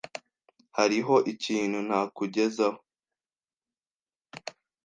Hariho ikintu nakugezaho?